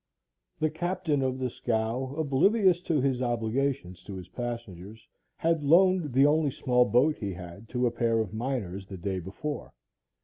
The captain of the scow, oblivious to his obligations to his passengers, had loaned the only small boat he had to a pair of miners the day before.